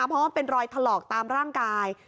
เพราะว่าเป็นรอยถลอกตามร่างกาย